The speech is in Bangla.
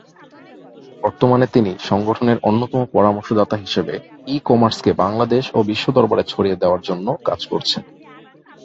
বর্তমানে তিনি সংগঠনের অন্যতম পরামর্শদাতা হিসেবে 'ই-কমার্স'কে বাংলাদেশ ও বিশ্ব দরবারে ছড়িয়ে দেয়ার জন্য কাজ করছেন।